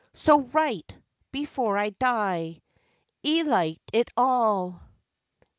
So write, before I die, "'E liked it all!"